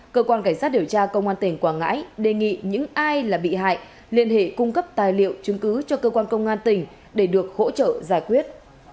cơ quan cảnh sát điều tra công an tỉnh quảng ngãi đề nghị những ai là bị hại liên hệ cung cấp tài liệu chứng cứ cho cơ quan công an tỉnh để được hỗ trợ giải quyết